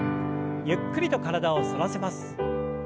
ゆっくりと体を反らせます。